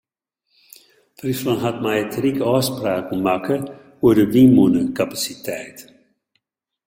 Fryslân hat mei it ryk ôfspraken makke oer de wynmûnekapasiteit.